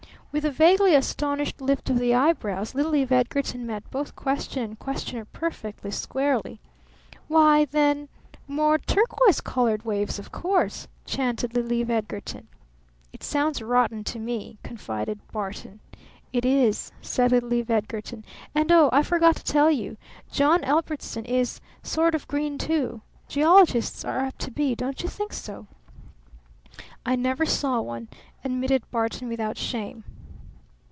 With a vaguely astonished lift of the eyebrows little Eve Edgarton met both question and questioner perfectly squarely. "Why then more turquoise colored waves, of course," chanted little Eve Edgarton. "It sounds rotten to me," confided Barton. "It is," said little Eve Edgarton. "And, oh, I forgot to tell you: John Ellbertson is sort of green, too. Geologists are apt to be, don't you think so?" "I never saw one," admitted Barton without shame.